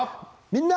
「みんな！